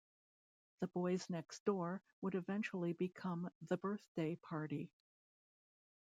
The Boys Next Door would eventually become The Birthday Party.